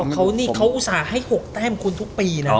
เขานี่เขาอุตส่าห์ให้๖แต้มคุณทุกปีนะ